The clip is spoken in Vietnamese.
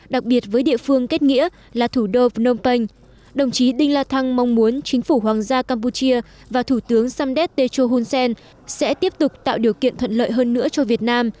đặc biệt với địa phương kết nghĩa là thủ đô phnom penh đồng chí đinh la thăng mong muốn chính phủ hoàng gia campuchia và thủ tướng samdet techo hun sen sẽ tiếp tục tạo điều kiện thuận lợi hơn nữa cho việt nam